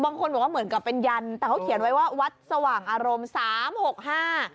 บางคนบอกว่าเหมือนกับเป็นยันแต่เขาเขียนไว้ว่าวัดสว่างอารมณ์สามหกห้า